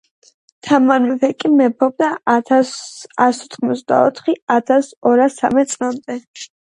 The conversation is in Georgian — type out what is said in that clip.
ორჯერ იყო ნომინირებული ოსკარზე.